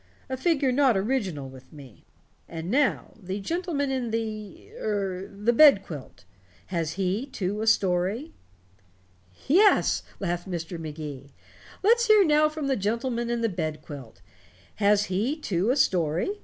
A figure not original with me. And now the gentleman in the er the bed quilt. Has he, too, a story?" "Yes," laughed Mr. Magee, "let's hear now from the gentleman in the bed quilt. Has he, too, a story?